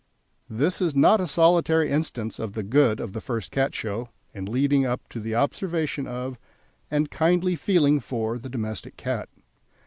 This is not a solitary instance of the good of the first Cat Show in leading up to the observation of, and kindly feeling for, the domestic cat.